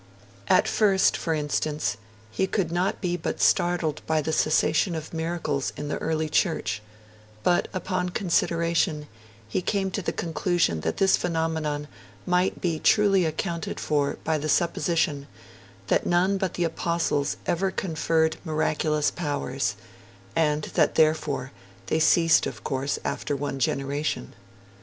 At first, for instance, he could not but be startled by the cessation of miracles in the early Church; but upon consideration, he came to the conclusion that this phenomenon might be 'truly accounted for by the supposition that none but the Apostles ever conferred miraculous powers, and that therefore they ceased of course, after one generation'.